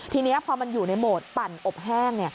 ทีนี้พอมันอยู่ในโหมดปั่นอบแห้ง